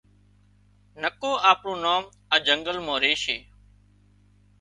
نڪو آپڻون نام آ جنگل مان ريشي